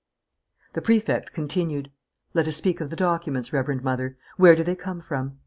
The Prefect continued: "Let us speak of the documents, Reverend Mother. Where do they come from?"